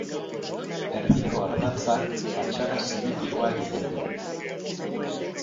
Erdiko ardatzak fatxada simetrikoa egiten du.